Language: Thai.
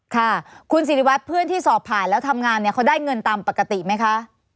ค่ะคุณสิริวัตรเพื่อนที่สอบผ่านแล้วทำงานเนี่ยเขาได้เงินตามปกติไหมคะ